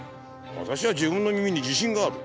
私は自分の耳に自信がある。